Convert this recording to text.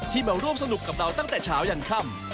มาร่วมสนุกกับเราตั้งแต่เช้ายันค่ำ